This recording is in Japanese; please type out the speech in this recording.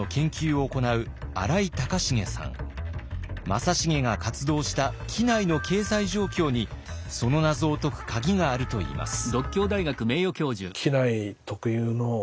正成が活動した畿内の経済状況にその謎を解く鍵があるといいます。